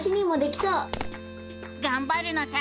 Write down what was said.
がんばるのさ！